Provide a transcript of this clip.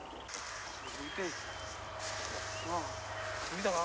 見たか？